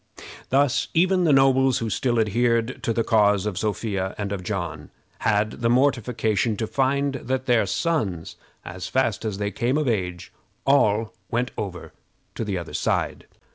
Thus even the nobles who still adhered to the cause of Sophia and of John had the mortification to find that their sons, as fast as they came of age, all went over to the other side.